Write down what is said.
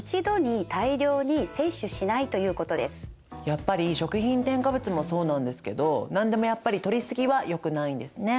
やっぱり食品添加物もそうなんですけど何でもやっぱりとりすぎはよくないんですね。